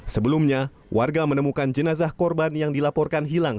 sebelumnya warga menemukan jenazah korban yang dilaporkan hilang